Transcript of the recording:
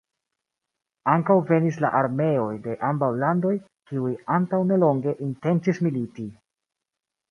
Ankaŭ venis la armeoj de ambaŭ landoj, kiuj antaŭ nelonge intencis militi.